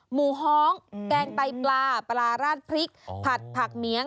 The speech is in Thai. หมูฮ้องแกงไตปลาปลาราดพริกผัดผักเี้ยง